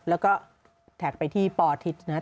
แล้วก็แท็กไปที่ปทิศนะครับ